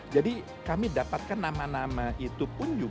jadi kami dapatkan nama nama itu pun